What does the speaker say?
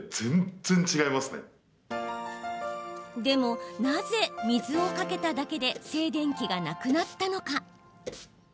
でも、なぜ水をかけただけで静電気がなくなったのか？